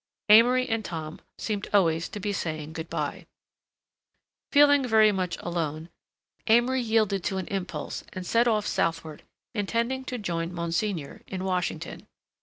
Amory and Tom seemed always to be saying good by. Feeling very much alone, Amory yielded to an impulse and set off southward, intending to join Monsignor in Washington.